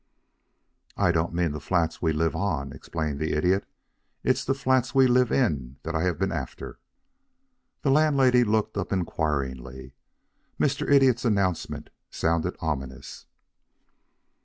"I don't mean the flats we live on," explained the Idiot. "It's the flats we live in that I have been after." The landlady looked up inquiringly. Mr. Idiot's announcement sounded ominous.